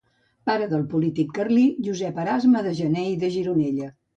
Pare del polític carlí Josep Erasme de Janer i de Gironella.